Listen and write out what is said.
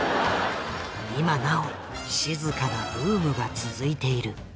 今なお静かなブームが続いている。